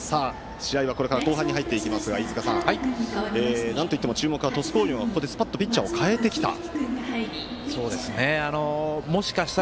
試合は後半に入っていきますが飯塚さん、なんといっても注目は鳥栖工業がここでスパッとピッチャーを代えてきました。